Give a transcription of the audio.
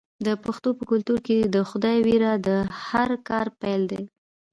د پښتنو په کلتور کې د خدای ویره د هر کار پیل دی.